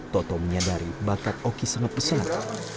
toto menyadari bakat oki sangat pesat